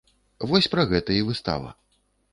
Вось пра гэта і выстава.